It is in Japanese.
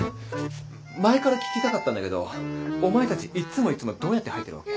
前から聞きたかったんだけどお前たちいっつもいっつもどうやって入ってるわけ？